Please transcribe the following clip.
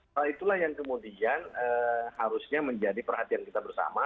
hal itulah yang kemudian harusnya menjadi perhatian kita bersama